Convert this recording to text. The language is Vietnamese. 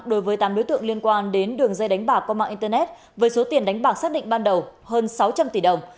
đối với tám đối tượng liên quan đến đường dây đánh bạc qua mạng internet với số tiền đánh bạc xác định ban đầu hơn sáu trăm linh tỷ đồng